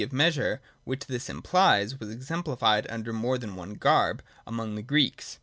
203 of Measure which this implies was exemplified under more than one garb among the Greeks.